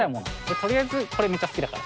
取りあえずこれめちゃ好きだから。